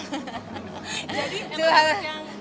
jadi emang yang